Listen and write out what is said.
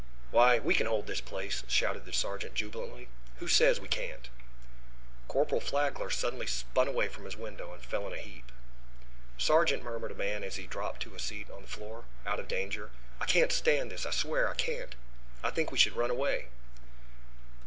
"Why, we can hold this place!" shouted the sergeant jubilantly. "Who says we can't?" Corporal Flagler suddenly spun away from his window and fell in a heap. "Sergeant," murmured a man as he dropped to a seat on the floor out of danger, "I can't stand this. I swear I can't. I think we should run away."